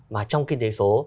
mà trong kinh tế số